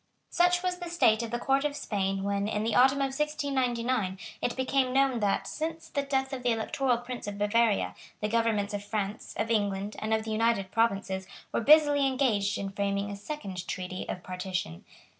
Such was the state of the Court of Spain when, in the autumn of 1699, it became known that, since the death of the Electoral Prince of Bavaria, the governments of France, of England and of the United Provinces, were busily engaged in framing a second Treaty of Partition.